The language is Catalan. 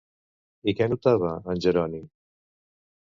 I què notava, en Jeroni?